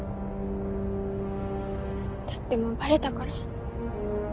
だってもうバレたから。